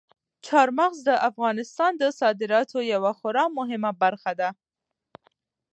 چار مغز د افغانستان د صادراتو یوه خورا مهمه برخه ده.